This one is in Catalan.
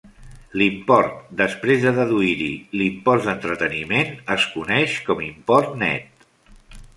L'import després de deduir-hi l'impost d'entreteniment es coneix com import net.